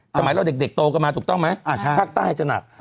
สมัยเราเด็กโตกันมาถูกต้องไหมภาคใต้จะหนัก